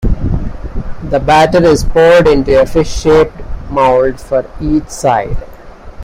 The batter is poured into a fish-shaped mould for each side.